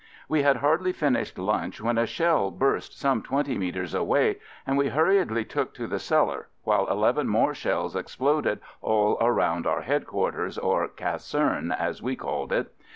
We had hardly finished lunch when a shell burst some twenty metres away and we hurriedly took to the cellar, while eleven more shells exploded all around our head quarters, or "caserne," as we call it.